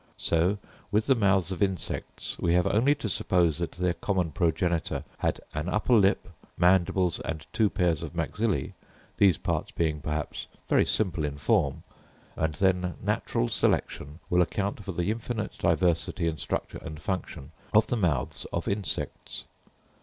So with the mouths of insects, we have only to suppose that their common progenitor had an upper lip, mandibles, and two pairs of maxillæ, these parts being perhaps very simple in form; and then natural selection will account for the infinite diversity in structure and function of the mouths of insects.